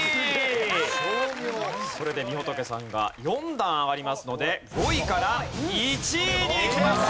これでみほとけさんが４段上がりますので５位から１位にいきます！